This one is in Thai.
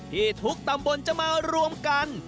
ที่ทุกตำบลจะมารวมกัน